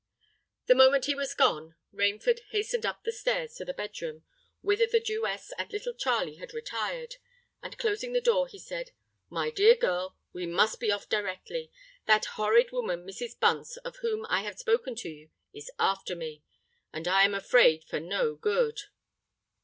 The moment he was gone, Rainford hastened up stairs to the bed room, whither the Jewess and little Charley had retired; and closing the door, he said, "My dear girl, we must be off directly. That horrid woman Mrs. Bunce, of whom I have spoken to you, is after me—and I am afraid for no good."